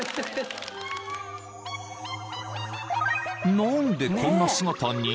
［何でこんな姿に？